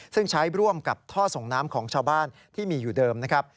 ซึ่งใช้ร่วมกับท่อส่งน้ำของชาวบ้านที่มีอยู่เดิมนะครับ